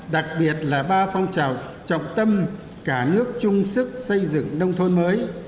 đặc biệt là ba phong trào trọng tâm cả nước chung sức xây dựng nông thôn mới